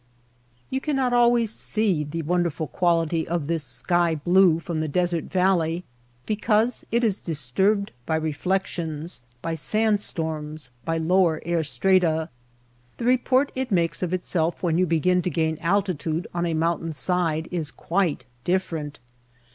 You cannot always see the wonderful quality of this sky blue from the desert valley, because it is disturbed by reflections, by sand storms, by lower air strata. The report it makes of itself when you begin to gain altitude on a mountain's side is quite different.